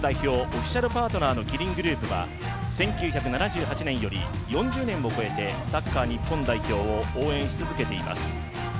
オフィシャルパートナーのキリングループは１９７８年より４０年を超えてサッカー日本代表を応援し続けています。